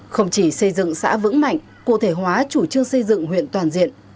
không chỉ xây dựng xã vững mạnh cụ thể hóa chủ trương xây dựng huyện toàn diện